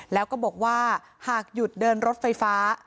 แล้วก็บอกว่าหากหยุดเดินรถไฟฟ้า